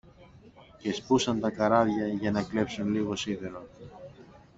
και σπούσαν τα καράβια για να κλέψουν λίγο σίδερο